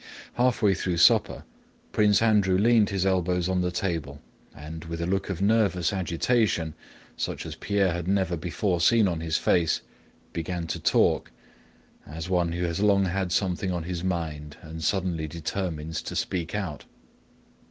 Halfway through supper Prince Andrew leaned his elbows on the table and, with a look of nervous agitation such as Pierre had never before seen on his face, began to talk—as one who has long had something on his mind and suddenly determines to speak out.